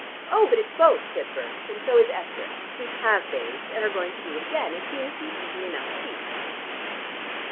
"Oh, but it's both," said Berts, "and so is Esther. We have bathed, and are going to do it again, as soon as we've eaten enough tea."